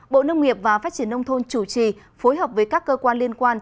bộ nông nghiệp và phát triển nông thôn chủ trì phối hợp với các cơ quan liên quan